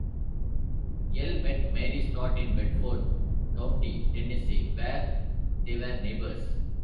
Yell met Mary Scott in Bedford County, Tennessee, where they were neighbors.